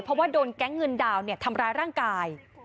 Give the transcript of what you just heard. เพราะว่าโดนแก๊งเงินดาวทำร้ายร่างกาย